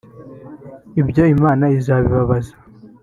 ibyo Imana izabibabaza